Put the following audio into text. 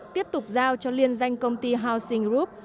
tiếp tục giao cho liên danh công ty housing group